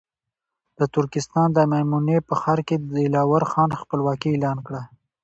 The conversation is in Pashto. د ترکستان د مېمنې په ښار کې دلاور خان خپلواکي اعلان کړه.